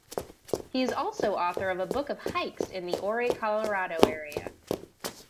He is also author of a book of hikes in the Ouray, Colorado area.